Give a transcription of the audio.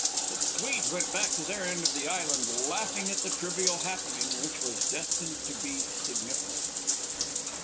But the Swedes went back to their end of the island, laughing at the trivial happening which was destined to be significant.